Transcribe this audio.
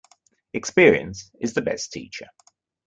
Experience is the best teacher.